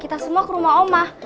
kita semua ke rumah omah